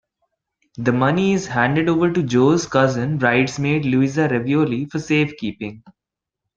The "money" is handed over to Joey's cousin, bridesmaid Louisa Ravioli, for safekeeping.